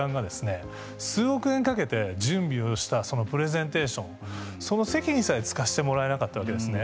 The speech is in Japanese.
数億円かけて準備をしたそのプレゼンテーションその席にさえつかせてもらえなかったわけですね。